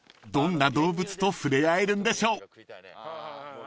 ［どんな動物とふれあえるんでしょう］